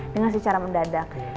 dengan secara mendadaknya